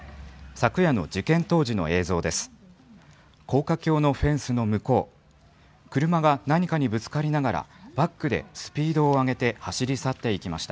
昨夜の事件当時の映像です。